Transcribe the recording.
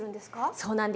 そうなんです。